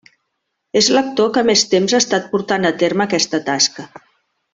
És l'actor que més temps ha estat portant a terme aquesta tasca.